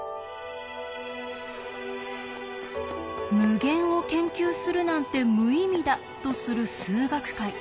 無限を研究するなんて無意味だとする数学界。